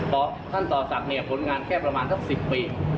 พอท่านต่อสักเนี่ยผลงานแค่ประมาณทั้งสิบปี